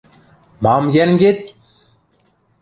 Мам йӓнгет?!